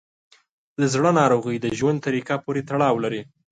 د زړه ناروغۍ د ژوند طریقه پورې تړاو لري.